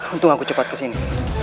untung aku cepat kesini